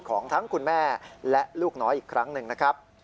ของทั้งคุณแม่และลูกน้อยอีกครั้งหนึ่งนะครับ